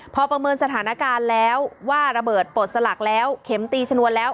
พอประเมินสถานการณ์แล้วว่าระเบิดปลดสลักแล้วเข็มตีชนวนแล้ว